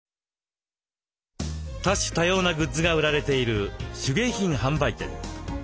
多種多様なグッズが売られている手芸品販売店。